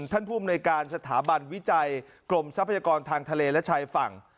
ภูมิในการสถาบันวิจัยกรมทรัพยากรทางทะเลและชายฝั่ง